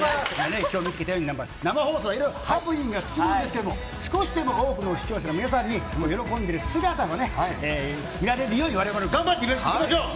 生放送、いろいろハプニングがつきものですけれども、少しでも多くの視聴者の皆さんに喜んでる姿をね、見られるように、われわれも頑張っていきましょう。